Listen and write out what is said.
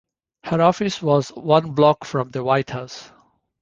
Her office was one block from the White House.